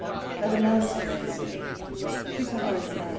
AT A MASQUERADE. To Sir Horace Mann.